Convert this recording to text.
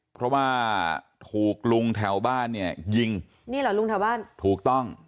เพราะว่าถูกลุงแถวบ้านเนี่ยยิงนี่เหรอลุงแถวบ้านถูกต้อง